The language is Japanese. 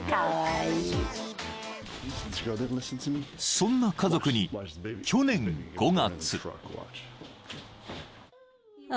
［そんな家族に去年５月］